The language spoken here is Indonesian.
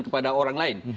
kepada orang lain